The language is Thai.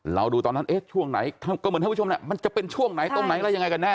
ดูตอนนั้นเอ๊ะช่วงไหนก็เหมือนท่านผู้ชมมันจะเป็นช่วงไหนตรงไหนอะไรยังไงกันแ